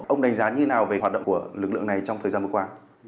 ông đánh giá như nào về hoạt động của lực lượng này trong thời gian vừa qua